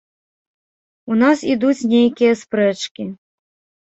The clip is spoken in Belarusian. У нас ідуць нейкія спрэчкі.